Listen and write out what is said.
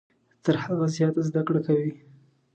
تر هغه زیاته زده کړه کوي .